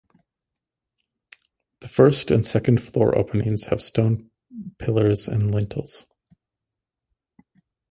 The first and second floor openings have stone pillars and lintels.